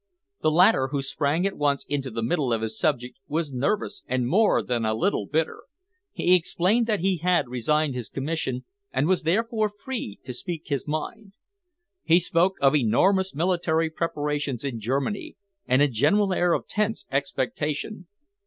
The latter, who sprang at once into the middle of his subject, was nervous and more than a little bitter. He explained that he had resigned his commission and was therefore free to speak his mind. He spoke of enormous military preparations in Germany and a general air of tense expectation.